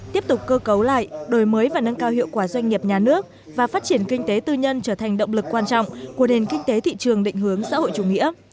tiếp tục cơ cấu lại đổi mới và nâng cao hiệu quả doanh nghiệp nhà nước và phát triển kinh tế tư nhân trở thành động lực quan trọng của nền kinh tế thị trường định hướng xã hội chủ nghĩa